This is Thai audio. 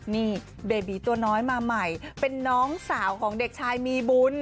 นี่เบบีตัวน้อยมาใหม่เป็นน้องสาวของเด็กชายมีบุญ